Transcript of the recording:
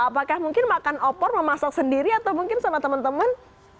apakah mungkin makan opor memasak sendiri atau mungkin sama teman teman